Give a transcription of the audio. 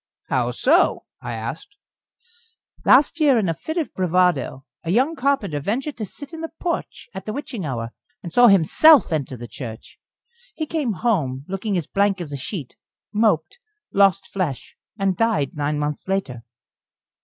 "How so?" I asked. "Last year, in a fit of bravado, a young carpenter ventured to sit in the porch at the witching hour, and saw himself enter the church. He came home, looking as blank as a sheet, moped, lost flesh, and died nine months later."